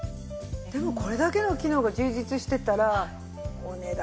でもこれだけの機能が充実してたら。